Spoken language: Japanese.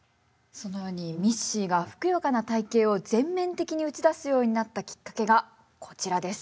そのようにミッシーがふくよかな体型を全面的に打ち出すようになったきっかけがこちらです。